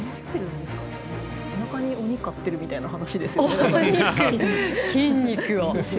背中に鬼飼ってるみたいな感じですよね。